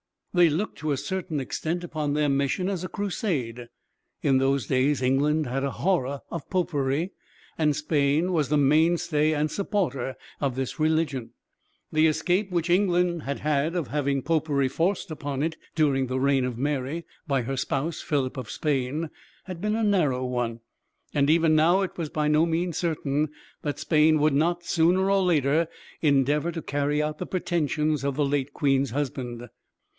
They looked, to a certain extent, upon their mission as a crusade. In those days England had a horror of Popery, and Spain was the mainstay and supporter of this religion. The escape which England had had of having Popery forced upon it, during the reign of Mary, by her spouse, Philip of Spain, had been a narrow one; and even now, it was by no means certain that Spain would not, sooner or later, endeavor to carry out the pretensions of the late queen's husband.